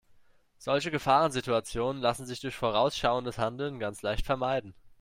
Solche Gefahrensituationen lassen sich durch vorausschauendes Handeln ganz leicht vermeiden.